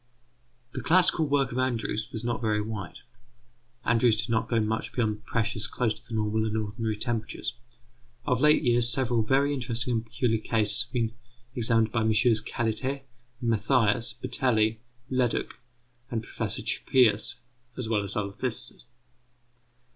The classical work of Andrews was not very wide. Andrews did not go much beyond pressures close to the normal and ordinary temperatures. Of late years several very interesting and peculiar cases have been examined by MM. Cailletet, Mathias, Batelli, Leduc, P. Chappuis, and other physicists.